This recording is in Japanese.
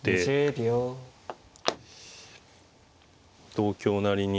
同香成に。